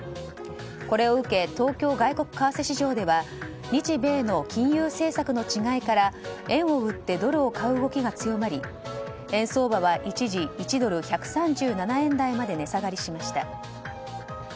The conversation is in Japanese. これを受け、東京外国為替市場は日米の金融政策の違いから円を売ってドルを買う動きが強まり円相場は一時１ドル＝１３７円台まで値下がりしました。